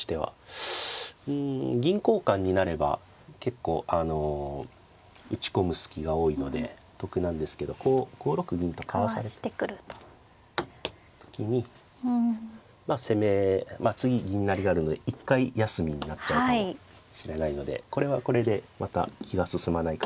うん銀交換になれば結構あの打ち込む隙が多いので得なんですけどこう５六銀とかわされた時にまあ攻め次銀成りがあるので一回休みになっちゃうかもしれないのでこれはこれでまた気が進まないかもしれません。